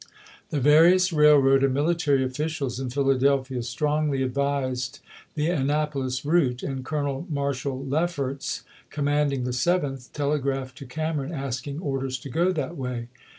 The various railroad and military officials in Philadelphia strongly advised the Annapolis route, Leffertsto ^^^ Colouel Marshall Lefferts, commanding the ApL2M86i. Seventh, telegraphed to Cameron asking orders to II., p. 582." go that way.